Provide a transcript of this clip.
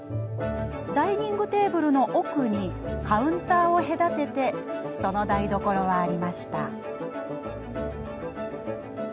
ダイニングテーブルの奥にカウンターを隔ててその台所はありました。